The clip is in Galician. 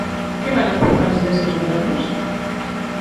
Que balance fas deses gobernos?